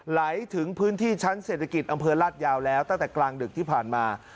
ไหลถึงพื้นที่ชั้นเศรษฐกิจอำเภอลาดยาวแล้วตั้งแต่กลางดึกที่ผ่านมา